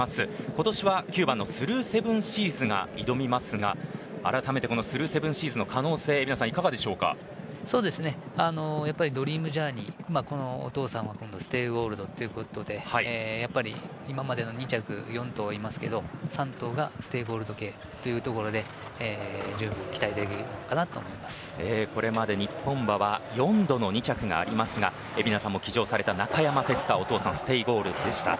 今年は９番のスルーセブンシーズが挑みますがあらためてスルーセブンシーズの可能性ドリームジャーニーお父さんはステイゴールドということで今までの２着、４頭いますが３頭がステイゴールド系というところでじゅうぶんこれまで日本馬は４度の２着がありますが蛯名さんも騎乗されたナカヤマフェスタお父さん・ステイゴールドでした。